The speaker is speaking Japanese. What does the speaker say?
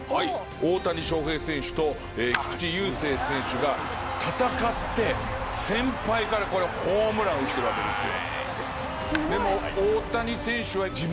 大谷翔平選手と菊池雄星選手が戦って先輩からホームラン打ってるわけですよ。